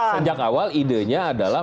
sejak awal idenya adalah